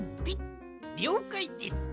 りょうかいです！